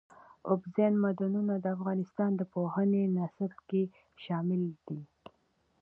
اوبزین معدنونه د افغانستان د پوهنې نصاب کې شامل دي.